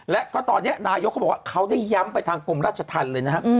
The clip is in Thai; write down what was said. และก็ตอนนี้นายกเขาบอกว่าเขาได้ย้ำไปทางกรมราชธรรมเลยนะครับ